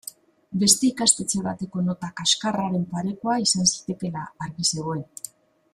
Beste ikastetxe bateko nota kaxkarraren parekoa izan zitekeela argi zegoen.